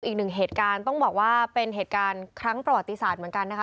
อีกหนึ่งเหตุการณ์ต้องบอกว่าเป็นเหตุการณ์ครั้งประวัติศาสตร์เหมือนกันนะคะ